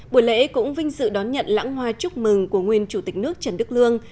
buổi lễ cũng vinh dự đón nhận lãng hoa chúc mừng của nguyên chủ tịch nước trần đức lương